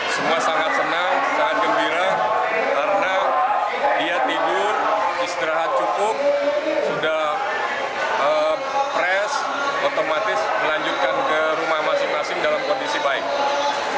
semua sangat senang sangat gembira karena dia tidur istirahat cukup sudah fresh otomatis melanjutkan ke rumah masing masing dalam kondisi baik